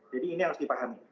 jadi ini harus dipahami